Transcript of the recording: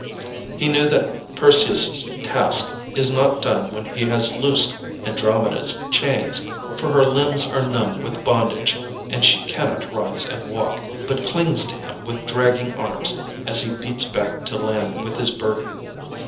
He knew that Perseus's task is not done when he has loosed Andromeda's chains, for her limbs are numb with bondage, and she cannot rise and walk, but clings to him with dragging arms as he beats back to land with his burden.